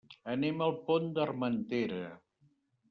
Anem al Pont d'Armentera.